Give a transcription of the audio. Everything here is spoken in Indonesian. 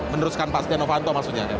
meneruskan pasca novanto maksudnya